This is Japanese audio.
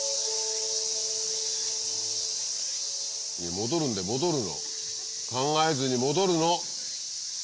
戻るんだよ戻るの考えずに戻るの。